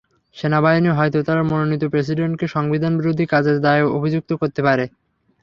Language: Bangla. সেনাবাহিনী হয়তো তাঁর মনোনীত প্রেসিডেন্টকে সংবিধানবিরোধী কাজের দায়ে অভিযুক্ত করতে পারে।